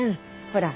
ほら。